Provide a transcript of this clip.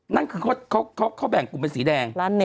นั่งคือเขาแบ่งกลุ่มสีแดง